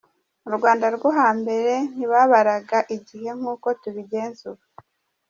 Mu Rwanda rwo hambere ntibabaraga igihe nk’uko tubigenza ubu.